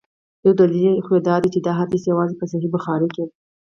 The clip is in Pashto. یو دلیل یې خو دا دی چي دا حدیث یوازي په صحیح بخاري کي.